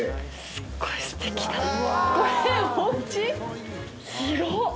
すっごいすてきだこれおうち？広っ！